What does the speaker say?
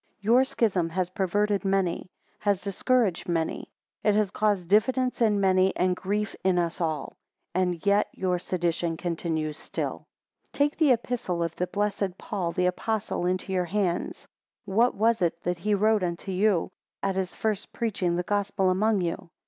19 Your schism has perverted many, has discouraged many: it has caused diffidence in many, and grief in us all. And yet your sedition continues still. 20 Take the Epistle of the blessed Paul the Apostle into your hands; What was It that he wrote to you at his first preaching the Gospel among you?